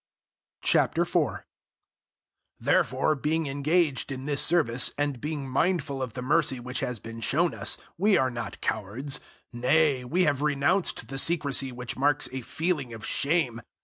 004:001 Therefore, being engaged in this service and being mindful of the mercy which has been shown us, we are not cowards. 004:002 Nay, we have renounced the secrecy which marks a feeling of shame.